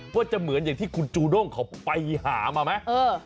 ว่าจะเหมือนอย่างที่คุณจูด้งเขาไปหามาไหม